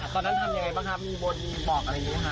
ตอนนั้นทำยังไงบ้างครับมีบนบอกอะไรอย่างนี้ไหมคะ